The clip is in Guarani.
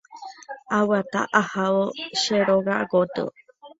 Aguata ahávo che róga gotyo.